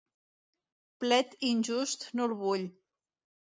Plet injust no el vull.